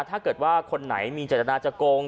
ถ้าเกิดว่าคนไหนมีเจตนาจะโกง